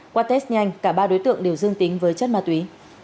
qua test nhanh cả ba đối tượng đều dương tính với chất ma túy